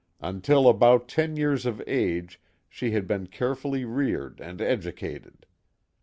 Until about ten years of age she had been carefully reared and educated.